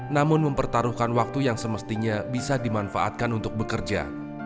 namun mempertaruhkan waktu yang semestinya bisa dimanfaatkan untuk bekerja